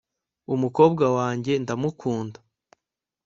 umukobwa wanjye ndamukunda